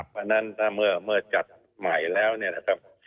เพราะฉะนั้นถ้าเมื่อจัดใหม่แล้วเนี่ยนะครับ